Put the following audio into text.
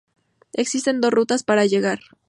Existen dos rutas para llegar.